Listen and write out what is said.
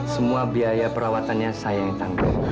semua biaya perawatannya saya yang tangguh